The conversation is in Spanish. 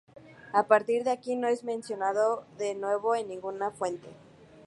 A partir de aquí, no es mencionado de nuevo en ninguna fuente.